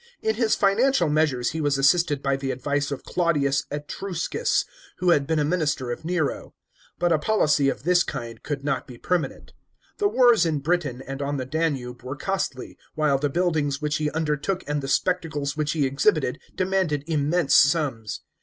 In his financial measures he was assisted by the advice of Claudius Etruscus, who had been a minister of Nero. But a policy of this kind could not be permanent. The wars in Britain and on the Danube were costly ; while the buildings which he undertook and the spectacles which he exhibited demanded immense sums.